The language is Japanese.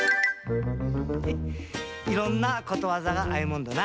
いろんなことわざがあいもんだな。